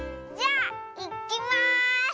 じゃあいきます！